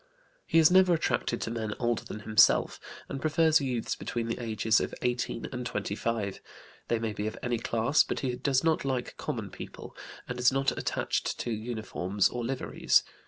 He is never attracted to men older than himself, and prefers youths between the ages of 18 and 25. They may be of any class, but he does not like common people, and is not attached to uniforms or liveries.